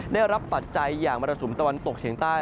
ปัจจัยอย่างมรสุมตะวันตกเฉียงใต้